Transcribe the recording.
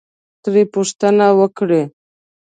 ترې پوښتنه وکړئ،